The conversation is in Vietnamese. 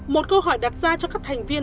một câu hỏi đặt ra cho các thành viên